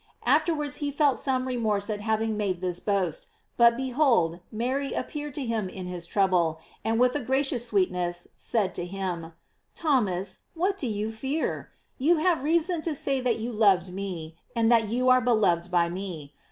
Afterwards, h$ felt some remorse at having made this boast; but behold, Mary ap peared to him in his trouble, and with a gra cious sweetness said to him: " Thomas, what do you fear? You had reason to say that you loved me, and that you are beloved by me.